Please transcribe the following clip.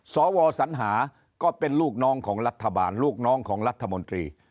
สวสัญหาก็เป็นลูกน้องของรัฐบาลลูกน้องของรัฐมนตรี